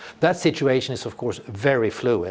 situasi itu tentu saja sangat fluit